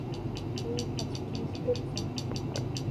Уи аӡәгьы издырӡом.